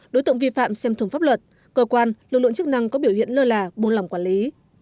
đối tượng vi phạm xem thường pháp luật cơ quan lực lượng chức năng có biểu hiện lơ là buôn lòng quản lý